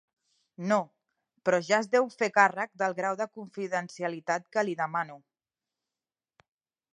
No, però ja es deu fer càrrec del grau de confidencialitat que li demano.